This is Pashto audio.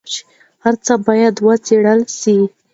هر څه باید وڅېړل سي.